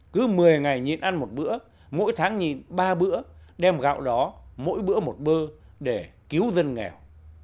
cứ một mươi ngày nhìn ăn một bữa mỗi tháng nhìn ba bữa đem gạo đó mỗi bữa một bơ để cứu dân nghèo